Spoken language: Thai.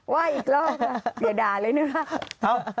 ว่าอีกรอบอย่าด่าเลยนะครับ